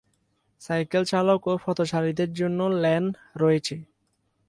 Cycle চালক ও পথচারীদের জন্য লেন রয়েছে।